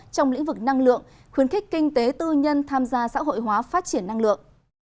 trong lĩnh vực năng lượng khuyến khích kinh tế tư nhân tham gia xã hội hóa phát triển năng lượng